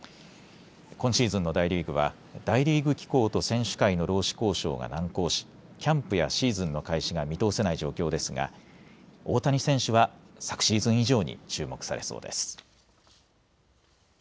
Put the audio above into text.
今シーズンの大リーグは大リーグ機構と選手会の労使交渉が難航しキャンプやシーズンの開始が見通せない状況ですが大谷選手は昨シーズン以上に注目されそうです。